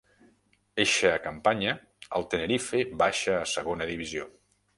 Eixa campanya, el Tenerife baixa a Segona Divisió.